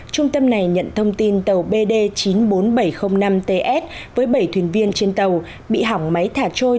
trung tâm này nhận thông tin tàu bd chín mươi bốn nghìn bảy trăm linh năm ts với bảy thuyền viên trên tàu bị hỏng máy thả trôi